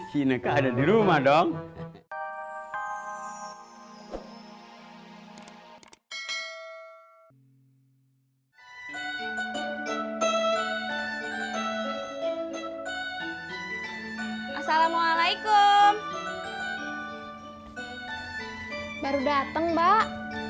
cineka ada di rumah dong assalamualaikum baru dateng mbak